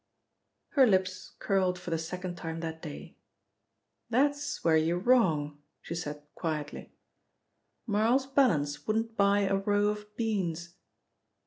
Her lips curled for the second time that day. "That's where you're wrong," she said quietly. "Marl's balance wouldn't buy a row of beans."